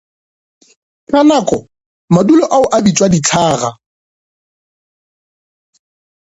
Ka nako madulo ao a ka bitšwa dihlaga.